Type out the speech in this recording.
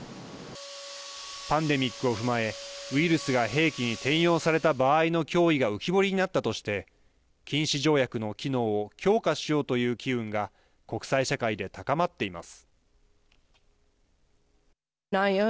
パンデミックを踏まえウイルスが兵器に転用された場合の脅威が浮き彫りになったとして禁止条約の機能を強化しようという機運が国際社会で高まっています。